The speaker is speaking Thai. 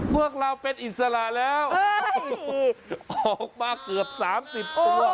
เมื่อกเราเป็นอินสาหร่าแล้วออกมาเกือบ๓๐ตัว